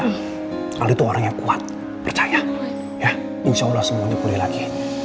kalau itu orang yang kuat percaya ya insyaallah semuanya boleh lagi